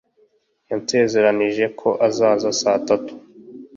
Yansezeranije ko azaza saa tatu.